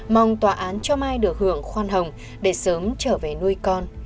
mong tòa án cho mai được hưởng khoan hồng để sớm trở về nuôi con